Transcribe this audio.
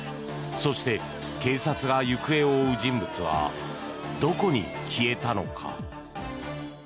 そして、警察が行方を追う人物はどこに消えたのか。